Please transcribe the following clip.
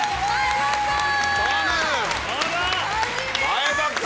前田君！